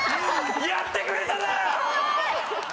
やってくれたな！